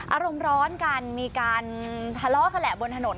อารมณ์ร้อนกันมีการทะเลาะกันแหละบนถนน